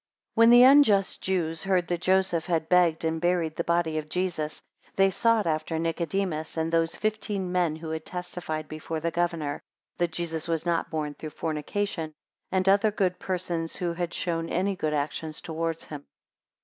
WHEN the unjust Jews heard that Joseph had begged and buried the body of Jesus, they sought after Nicodemus, and those fifteen men who had testified before the governor, that Jesus was not born through fornication, and other good persons who had shown any good actions towards him.